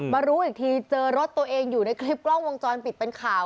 รู้อีกทีเจอรถตัวเองอยู่ในคลิปกล้องวงจรปิดเป็นข่าว